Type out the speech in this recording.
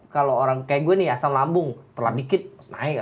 kalau orang kayak gue nih asam lambung telah dikit naik